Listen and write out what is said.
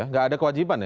tidak ada kewajiban ya